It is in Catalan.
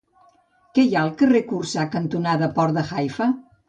Què hi ha al carrer Corçà cantonada Port de Haifa?